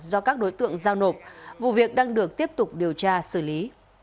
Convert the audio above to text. do các đối tượng giao nộp vụ việc đang được tiếp tục điều tra xử lý